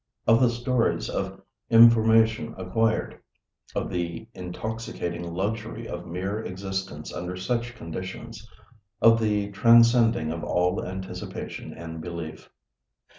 Of the stores of information acquired. Of the intoxicating luxury of mere existence under such conditions. Of the transcending of all anticipation and belief.